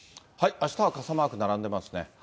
あしたは傘マーク並んでますね。